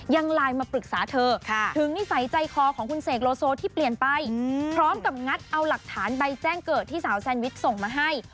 ยังไลน์มาปรึกษาเธอถึงนิสัยใจคอของคุณเสกโลโซที่เปลี่ยนไปพร้อมกับงัดเอาหลักฐานใบแจ้งเกิดที่สาวแซนวิชส่งมาให้